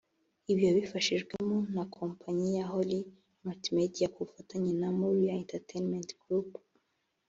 Ibi yabifashijwemo na Kompanyi ya Holy Multimedia ku bufatanye na Moriah Entertainment Group